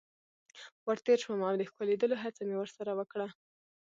ور تیر شوم او د ښکلېدلو هڅه مې ورسره وکړه.